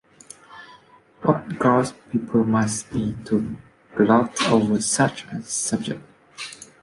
What ghouls people must be to gloat over such a subject.